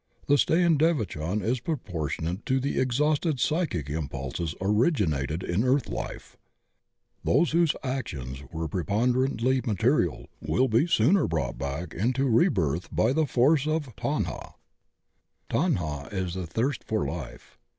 The stay in devachan is propor tionate to the unexhausted psychic impulses originated in earth life. Those whose actions were preponder DEVACHAN AND CYCLE OF REINCARNATION 113 atingly material will be sooner brought back into re birth by the force of Tanha" Tanha is the thirst for life.